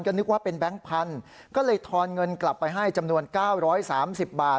ก็นึกว่าเป็นแก๊งพันธุ์ก็เลยทอนเงินกลับไปให้จำนวน๙๓๐บาท